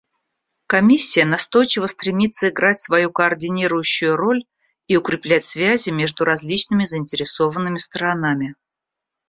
Комиссия настойчиво стремится играть свою координирующую роль и укреплять связи между различными заинтересованными сторонами.